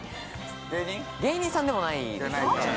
芸人さんでもないですね。